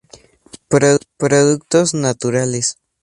Productos Naturales.